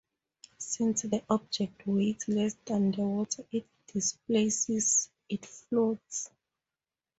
Since the object weighs less than the water it displaces, it floats.